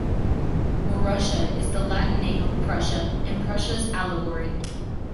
Borussia is the Latin name of Prussia, and Prussia’s allegory.